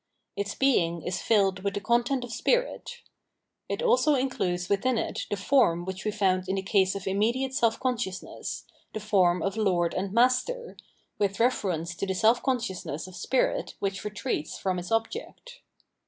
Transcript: Its being is filled with the content of spirit. It also includes within it the form which we found in the case of immediate self consciousness, the form of lord and master,* with reference to the self consciousness of spirit which retreats from its object.